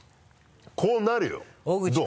こうなるよどう？